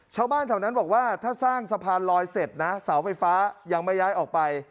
ชาวบ้านแถวนั้นบอกว่าถ้าสร้างสะพานลอยเสร็จนะเสาไฟฟ้ายังไม่ย้ายออกไป